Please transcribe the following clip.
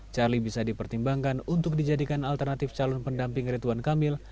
charlie bisa dipertimbangkan untuk dijadikan alternatif calon pendamping rituan kamil